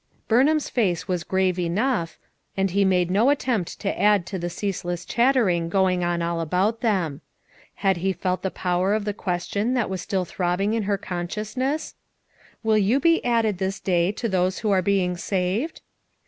Burnham's face was grave enough, and he made no attempt to add to the ceaseless chat tering going on all about them. Had he felt the power of the question that was still throb bing in her consciousness: "Will you be added this day to those who are being saved?"